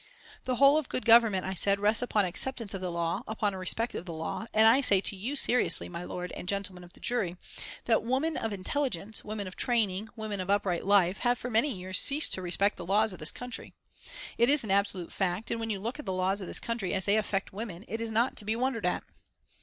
"The whole of good government," I said, "rests upon acceptance of the law, upon respect of the law, and I say to you seriously, my lord, and gentlemen of the jury, that women of intelligence, women of training, women of upright life, have for many years ceased to respect the laws of this country. It is an absolute fact, and when you look at the laws of this country as they effect women it is not to be wondered at."